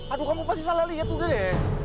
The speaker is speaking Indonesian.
aduh kamu pasti salah lihat udah deh